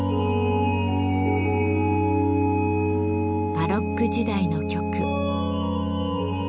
バロック時代の曲。